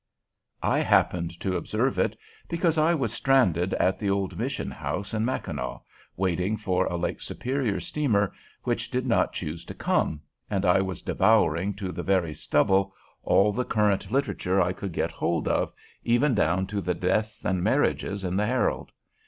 I happened to observe it, because I was stranded at the old Mission House in Mackinaw, waiting for a Lake Superior steamer which did not choose to come, and I was devouring to the very stubble all the current literature I could get hold of, even down to the deaths and marriages in the "Herald."